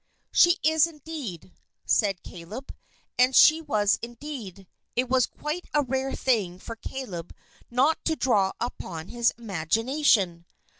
"She is indeed," said Caleb. And she was indeed. It was quite a rare thing for Caleb not to draw upon his imagination.